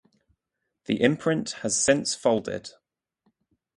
The imprint has since folded.